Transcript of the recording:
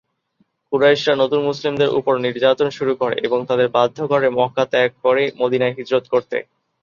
কুরাইশরা নতুন মুসলিমদের উপর নির্যাতন শুরু করে এবং তাদের বাধ্য করে মক্কা ত্যাগ করেমদিনায় হিজরত করতে।